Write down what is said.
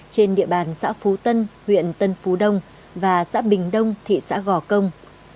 trên địa bàn xã phú tân huyện tân phú đông và xã bình đông thị xã gò công